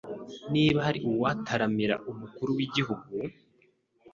Niba hari uwataramira umukuru w'igihugu